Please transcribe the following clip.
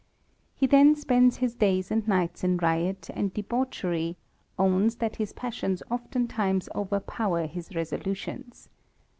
He that spends his days and nights in riot and debauchery, owns that his passions oftentimes overpower his resolutions.